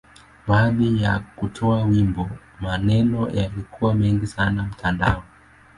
Baada ya kutoa wimbo, maneno yalikuwa mengi sana mtandaoni.